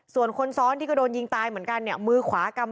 ส่วนคนซ้อนที่ก็โดนยิงตายเหมือนกันเนี่ยมือขวากำ